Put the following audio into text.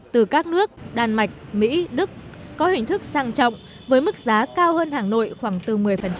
từ các nước đan mạch mỹ đức có hình thức sang trọng với mức giá cao hơn hàng nội khoảng từ một mươi